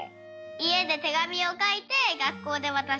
いえでてがみをかいてがっこうでわたしてる。